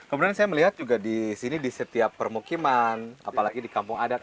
kemudian saya melihat juga di sini di setiap permukiman apalagi di kampung adat